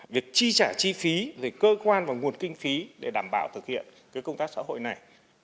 việc chi trả chi phí về cơ quan và nguồn kinh phí để đảm bảo thực hiện công tác xã hội này